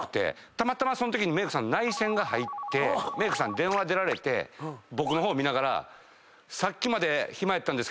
たまたまそんときメイクさん内線が入ってメイクさん電話出られて僕の方見ながら。